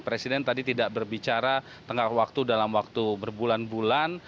presiden tadi tidak berbicara tengah waktu dalam waktu berbulan bulan